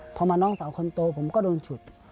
พอมาน้องสาวคนโตผมก็โดนฉุด